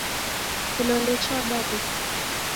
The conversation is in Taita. Kilole chabarika.